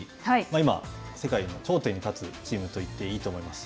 今、世界の頂点に立つチームといっていいと思います。